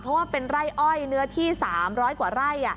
เพราะว่าเป็นไร่อ้อยเนื้อที่๓๐๐กว่าไร่